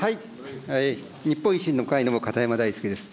日本維新の会の片山大介です。